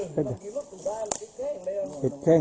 แป๊บเต้น